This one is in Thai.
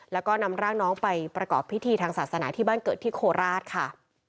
แล้วก็นำร่างน้องไปประกอบพิธีทางศาสนาที่บ้านเกิดที่โคราชค่ะ